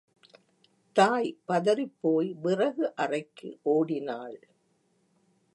தாய் பதறிப் போய் விறகு அறைக்கு ஒடினாள்.